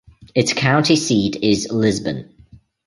Its county seat is Lisbon.